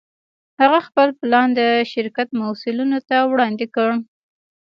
هغه خپل پلان د شرکت مسوولينو ته وړاندې کړ.